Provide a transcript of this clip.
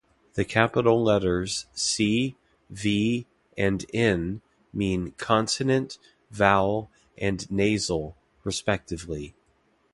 The capital letters C, V, and N mean "consonant", "vowel", and "nasal" respectively.